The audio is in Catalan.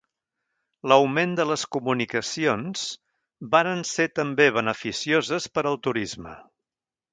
L'augment de les comunicacions varen ser també beneficioses per al turisme.